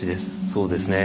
そうですね。